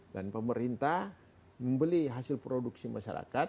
dan pemerintah membeli hasil produksi masyarakat